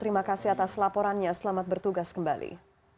terima kasih atas laporannya selamat bertugas kembali